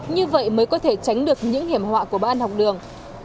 như vậy mới có thể tránh được những hiểm họa của bữa ăn học đường